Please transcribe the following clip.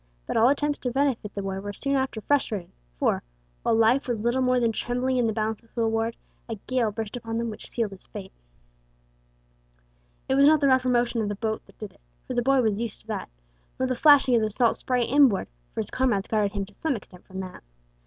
But all attempts to benefit the boy were soon after frustrated, for, while life was little more than trembling in the balance with Will Ward, a gale burst upon them which sealed his fate. It was not the rougher motion of the boat that did it, for the boy was used to that; nor the flashing of the salt spray inboard, for his comrades guarded him to some extent from that.